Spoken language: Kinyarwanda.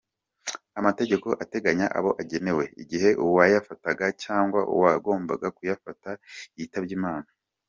Amategeko ateganya abo agenewe igihe uwayafataga cyangwa uwagombaga kuyafata yitabye Imana.